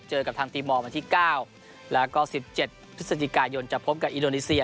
เจอกับทางตีมอร์วันที่๙แล้วก็๑๗พฤศจิกายนจะพบกับอินโดนีเซีย